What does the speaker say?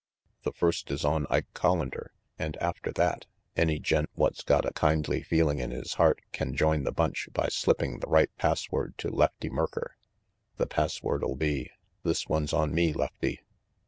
The first is on Ike Collander, and after that, any gent what's got a kindly feeling in his heart can join the bunch by slipping the right password to Lefty Merker. The password '11 be 'This one's on me, Lefty.